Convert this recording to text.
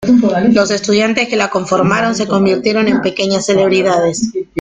Los estudiantes que la conformaron se convirtieron en pequeñas celebridades.